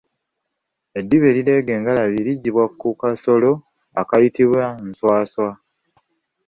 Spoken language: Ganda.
Eddiba erireega engalabi liggyibwa ku kasolo akayitibwa nswaswa.